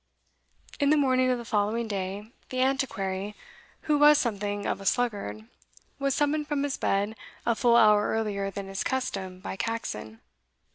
In the morning of the following day, the Antiquary, who was something of a sluggard, was summoned from his bed a full hour earlier than his custom by Caxon.